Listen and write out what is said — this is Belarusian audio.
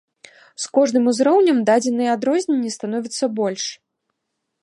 З кожным узроўнем дадзеныя адрозненні становяцца больш.